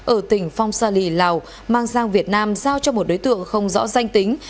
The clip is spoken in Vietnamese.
ở tỉnh phong sa lì lào mang sang việt nam giao cho một đối tượng không rõ danh tính